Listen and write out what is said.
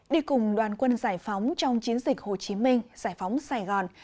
đi cùng đoàn quân giải phóng trong chiến dịch hồ chí minh giải phóng sài gòn